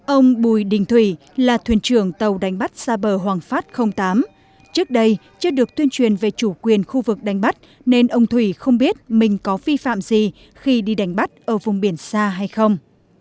ông bùi đình thủy là thuyền trưởng tàu đánh bắt xa bờ hoàng phát tám trước đây chưa được tuyên truyền về chủ quyền khu vực đánh bắt nên ông thủy không biết mình có phi phạm gì khi đi đánh bắt ở vùng biển xa hay không